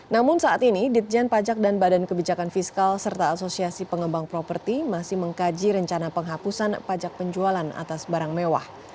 namun saat ini ditjen pajak dan badan kebijakan fiskal serta asosiasi pengembang properti masih mengkaji rencana penghapusan pajak penjualan atas barang mewah